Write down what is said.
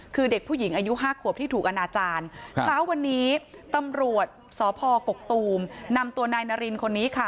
คือเด็กผู้หญิงอายุ๕ขวบที่ถูกอนาจารย์เช้าวันนี้ตำรวจสพกกตูมนำตัวนายนารินคนนี้ค่ะ